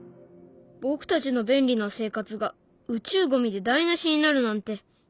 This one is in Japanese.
僕たちの便利な生活が宇宙ゴミで台なしになるなんて。